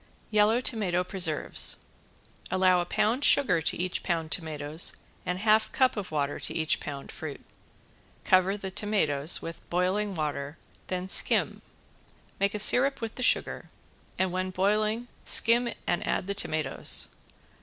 ~YELLOW TOMATO PRESERVES~ Allow a pound sugar to each pound tomatoes and half cup of water to each pound fruit. Cover the tomatoes with boiling water, then skim. Make a syrup with the sugar, and when boiling skim and add the tomatoes.